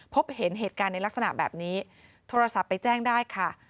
พบเห็นเหตุการณ์ในลักษณะแบบนี้โทรศัพท์ไปแจ้งได้ค่ะ